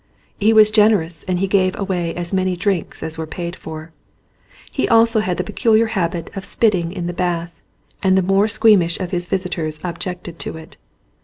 He was generous and he gave away as many drinks as were paid for. He also had the peculiar habit of spitting in the bath and the more squeamish of his visitors objected to it.